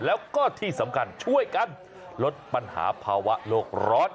แล้วก็ที่สำคัญช่วยกันลดปัญหาภาวะโลกร้อน